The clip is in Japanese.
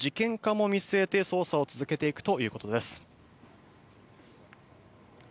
警察は今後、事件化も見据えて操作を続けていくということです。